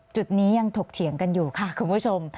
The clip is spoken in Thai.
จุดนี้ยังถกเถียงกันอยู่ค่ะคุณผู้ชม